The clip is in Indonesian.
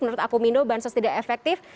menurut aku mindo bahan sos tidak efektif